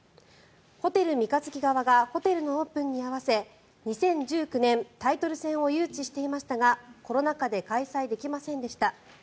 ホテル三日月側がホテルのオープンに合わせ２０１９年タイトル戦を誘致していましたがコロナ禍で開催できませんでした。